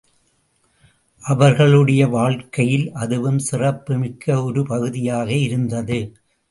அவர்களுடைய வாழ்க்கையில் அதுவும் சிறப்புமிக்க ஒரு பகுதியாக இருந்தது.